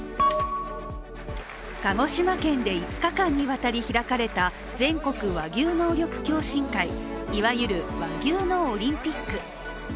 鹿児島県で５日間にわたり開かれた全国和牛能力共進会、いわゆる和牛のオリンピック。